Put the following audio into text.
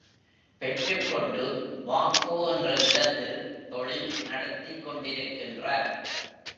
பெற்றுக்கொண்டு மாக்கோ என்ற இடத்தில் தொழில் நடத்திக்கொண்டிருக்கின்றார்.